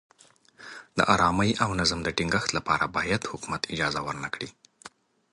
د ارامۍ او نظم د ټینګښت لپاره باید حکومت اجازه ورنه کړي.